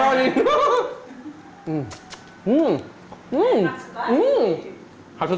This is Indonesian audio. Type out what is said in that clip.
tangan budi kalo disarangin